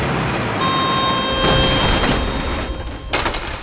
あ。